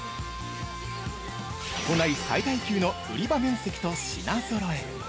都内最大級の売り場面積と品ぞろえ。